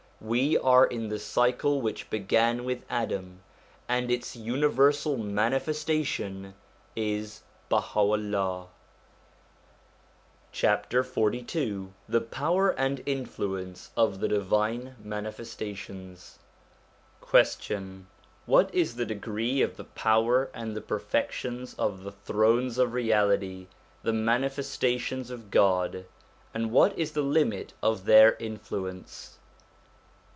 We are in the cycle which began with Adam, and its universal Manifestation is Baha'u'llah. XLII THE POWER AND INFLUENCE OF THE DIVINE MANIFESTATIONS Question. What is the degree of the power and the perfections of the Thrones of Reality, the Manifesta tions of God, and what is the limit , of their influence